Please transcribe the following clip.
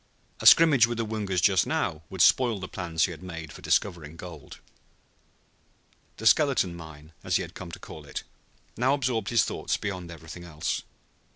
A scrimmage with the Woongas just now would spoil the plans he had made for discovering gold. The "Skeleton Mine," as he had come to call it, now absorbed his thoughts beyond everything else.